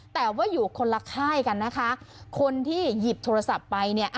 แต่ว่าอยู่คนละค่ายกันนะคะคนที่หยิบโทรศัพท์ไปเนี่ย